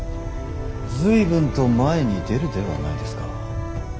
随分と前に出るではないですか。